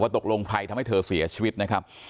ตกลงใครทำให้เธอเสียชีวิตนะครับ